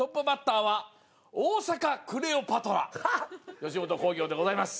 吉本興業でございます。